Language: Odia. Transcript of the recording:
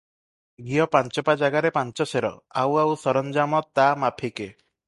ଘିଅ ପାଞ୍ଚପା ଜାଗାରେ ପାଞ୍ଚ ସେର, ଆଉ ଆଉ ସରଞ୍ଜାମ ତା ମାଫିକେ ।